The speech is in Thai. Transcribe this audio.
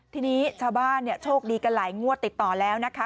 ทีนี้ชาวบ้านโชคดีกันหลายงวดติดต่อแล้วนะคะ